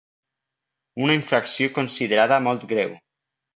Una infracció considerada ‘molt greu’.